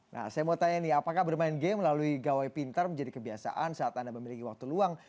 nah saya mau tanya nih apakah bermain game melalui gawai pintar menjadi kebiasaan saat anda memiliki waktu luang